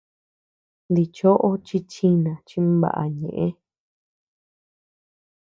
Dichoʼo chi chinaa chimbaʼa ñëʼe.